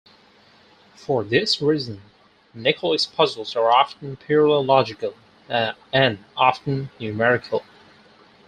For this reason Nikoli's puzzles are often purely logical, and often numerical.